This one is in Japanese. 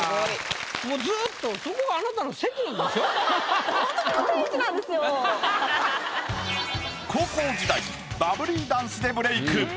もうずっとほんと高校時代バブリーダンスでブレイク。